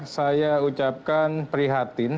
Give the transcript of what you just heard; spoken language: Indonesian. saya ucapkan prihatin